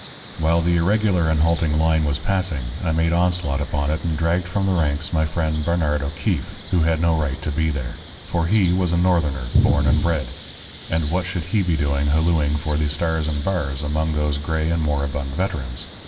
While the irregular and halting line was passing I made onslaught upon it and dragged from the ranks my friend Barnard O'Keefe, who had no right to be there. For he was a Northerner born and bred; and what should he be doing hallooing for the Stars and Bars among those gray and moribund veterans?